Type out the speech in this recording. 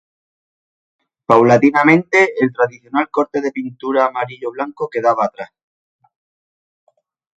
Paulatinamente, el tradicional corte de pintura amarillo-blanco, quedaba atrás.